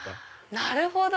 なるほど！